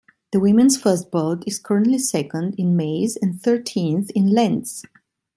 The women's first boat is currently second in Mays and thirteenth in Lents.